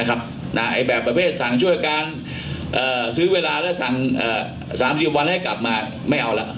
แบบประเภทสั่งช่วยการซื้อเวลาแล้วสั่ง๓๐วันให้กลับมาไม่เอาแล้ว